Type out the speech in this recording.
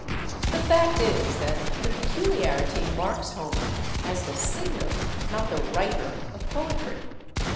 The fact is, that the peculiarity marks Homer as the singer, not the writer, of poetry.